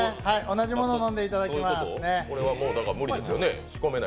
同じものを飲んでいただきますね。